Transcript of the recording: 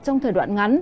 trong thời đoạn ngắn